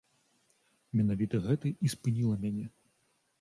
Менавіта гэта і спыніла мяне.